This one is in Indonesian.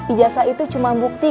ijazah itu cuma bukti